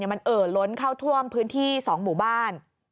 มันเอ่อล้นเข้าท่วมพื้นที่๒หมู่บ้าน